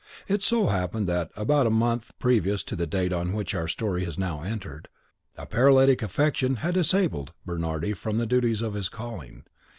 It so happened that, about a month previous to the date on which our story has now entered, a paralytic affection had disabled Bernardi from the duties of his calling.